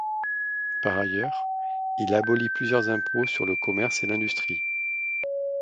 Par ailleurs, il abolit plusieurs impôts sur le commerce et l'industrie.